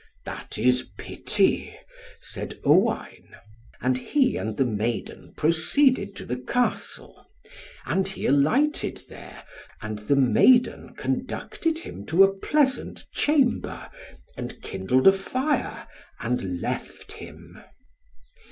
"That is pity," said Owain. And he and the maiden proceeded to the Castle; and he alighted there, and the maiden conducted him to a pleasant chamber, and kindled a fire, and left him.